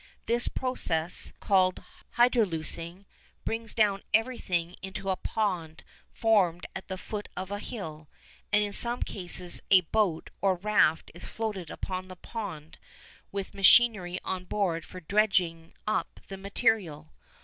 This process, called "hydraulicing," brings down everything into a pond formed at the foot of the hill, and in some cases a boat or raft is floated upon the pond with machinery on board for dredging up the material.